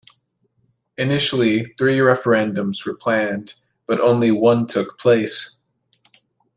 Initially, three referendums were planned, but only one took place.